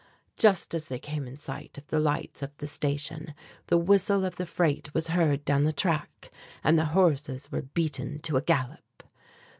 Just as they came in sight of the lights of the station, the whistle of the freight was heard down the track and the horses were beaten to a gallop.